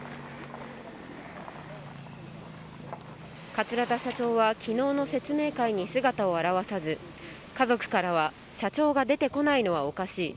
桂田社長は昨日の説明会に姿を現さず家族からは社長が出てこないのはおかしい。